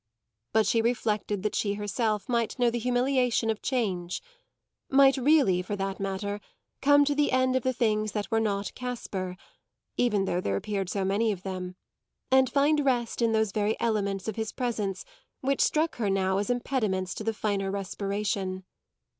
But she reflected that she herself might know the humiliation of change, might really, for that matter, come to the end of the things that were not Caspar (even though there appeared so many of them), and find rest in those very elements of his presence which struck her now as impediments to the finer respiration.